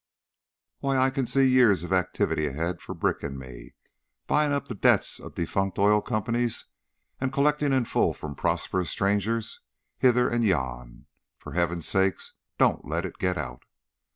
Why, I can see years of activity ahead of Brick and me, buying up the debts of defunct oil companies and collecting in full from prosperous strangers hither and yon. For Heaven's sake, don't let it get out!"